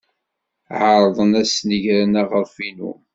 Ɛerḍen ad snegren aɣref-inu.